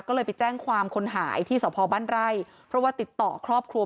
ก็เลยไปแจ้งความคนหายที่สพบ้านไร่เพราะว่าติดต่อครอบครัว